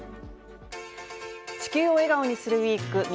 「地球を笑顔にするＷＥＥＫ」